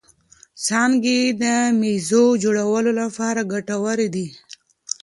څانګې یې د مېزو جوړولو لپاره ګټورې دي.